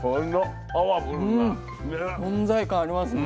存在感ありますね。